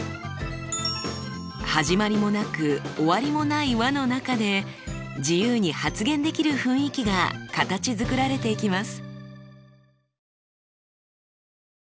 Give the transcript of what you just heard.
始まりもなく終わりもない輪の中で自由に発言できる雰囲気が形づくられていきます。